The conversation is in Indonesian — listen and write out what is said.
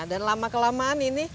dan lama kelamaan ini